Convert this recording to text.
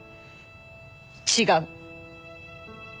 違う。